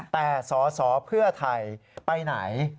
แต่สอสอเพื่อไทยไปไหน